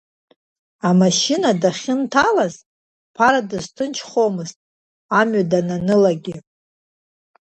Амашьына дахьынҭалаз, Ԥара дызҭынчхомызт, амҩа дананылагьы.